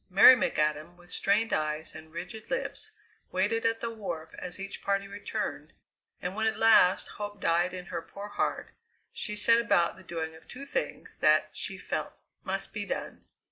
Mary McAdam with strained eyes and rigid lips waited at the wharf as each party returned, and when at last hope died in her poor heart, she set about the doing of two things that she felt must be done.